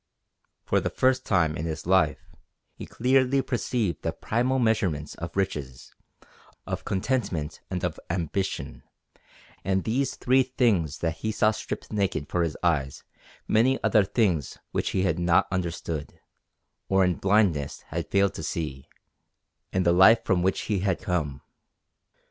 For the first time in his life he clearly perceived the primal measurements of riches, of contentment and of ambition, and these three things that he saw stripped naked for his eyes many other things which he had not understood, or in blindness had failed to see, in the life from which he had come.